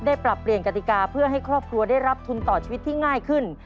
ปรับเปลี่ยนกติกาเพื่อให้ครอบครัวได้รับทุนต่อชีวิตที่ง่ายขึ้น